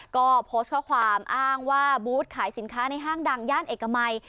ก็โพสต์ข้อความอ้างว่าบูธขายสินค้าในห้างดังย่านเอกมัย